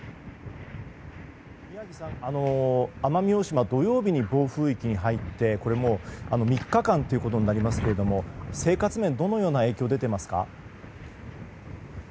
宮城さん、奄美大島は土曜日に暴風域に入ってもう３日間となりますが生活面、どのような影響出ていますか？